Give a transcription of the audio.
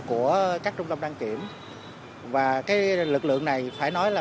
của các trung tâm đăng kiểm và cái lực lượng này phải nói là